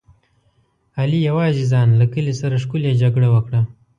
علي یوازې ځان له کلي سره ښکلې جګړه وکړه.